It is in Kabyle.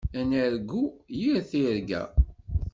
Ad nargu yir tirga.